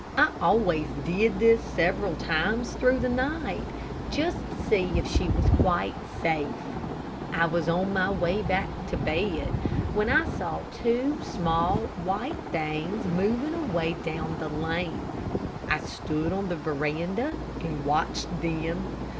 I always did this several times through the night, just to see if she was quite safe. I was on my way back to my bed, when I saw two small, white things moving away down the lane. I stood on the veranda and watched them.